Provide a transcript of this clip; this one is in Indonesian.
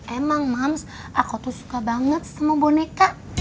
emang mums aku tuh suka banget sama boneka